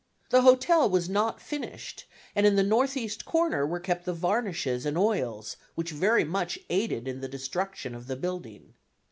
The hotel was not finished and in the northeast corner were kept the varnishes and oils, which very much aided in the destruction of the building.